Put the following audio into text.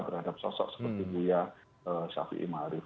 terhadap sosok seperti buya shafi'i ma'arif